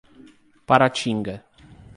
Paratinga